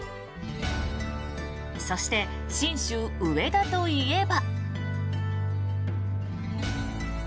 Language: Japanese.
そして、信州上田といえば。